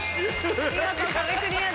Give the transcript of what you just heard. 見事壁クリアです。